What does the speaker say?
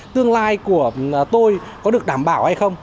tương lai của tôi có được đảm bảo hay không